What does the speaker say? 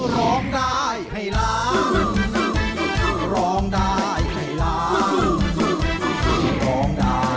ร้องได้ให้ร้อง